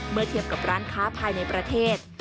เทียบกับร้านค้าภายในประเทศ